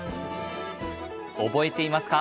覚えていますか？